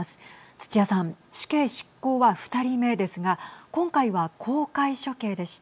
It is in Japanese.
土屋さん死刑執行は２人目ですが今回は公開処刑でした。